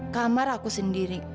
kamar aku sendiri